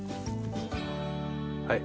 はい。